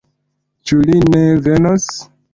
Ĉu li ne venos?